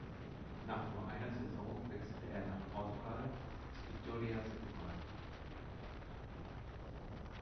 Nach nur einer Saison wechselte er nach Portugal zu Vitória Setúbal.